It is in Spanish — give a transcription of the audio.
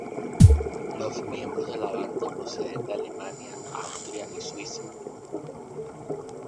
Los miembros de la banda proceden de Alemania, Austria y Suiza.